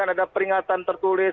ada peringatan tertulis